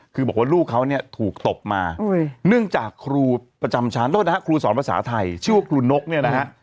คือบอกว่าลูกเขาเนี่ยถูกตบมาเนื่องจากครูประจำชั้นโทษนะฮะครูสอนภาษาไทยชื่อว่าครูนกเนี่ยนะฮะ